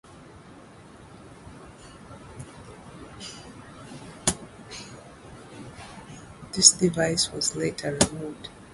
This device was later removed.